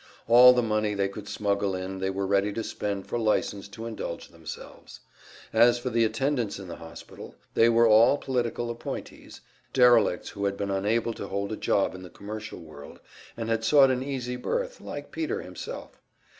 All the money they could smuggle in they were ready to spend for license to indulge themselves. As for the attendants in the hospital, they were all political appointees, derelicts who had been unable to hold a job in the commercial world, and had sought an easy berth, like Peter himself.